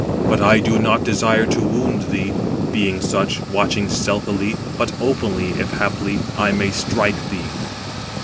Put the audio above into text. But I do not desire to wound thee, being such, watching stealthily, but openly, if haply I may strike thee."